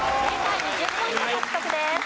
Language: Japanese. ２０ポイント獲得です。